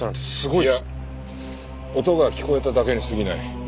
いや音が聞こえただけにすぎない。